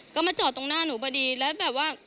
ก็มาจอดตรงหน้าหนูพอดีแล้วแบบว่า